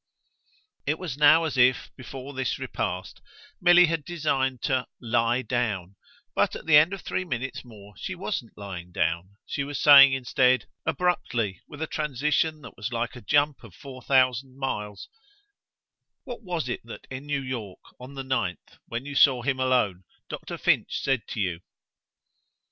It was now as if, before this repast, Milly had designed to "lie down"; but at the end of three minutes more she wasn't lying down, she was saying instead, abruptly, with a transition that was like a jump of four thousand miles: "What was it that, in New York, on the ninth, when you saw him alone, Doctor Finch said to you?"